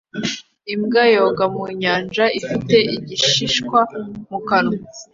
Imbwa yoga mu nyanja ifite igishishwa mu kanwa